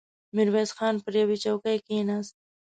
ميرويس خان پر يوه څوکۍ کېناست.